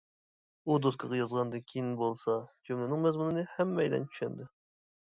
ئۇ دوسكىغا يازغاندىن كىيىن بولسا، جۈملىنىڭ مەزمۇنىنى ھەممەيلەن چۈشەندى.